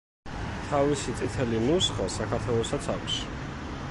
თავისი „წითელი ნუსხა“ საქართველოსაც აქვს.